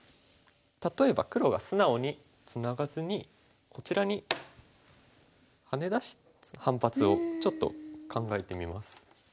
例えば黒が素直にツナがずにこちらにハネ出す反発をちょっと考えてみます。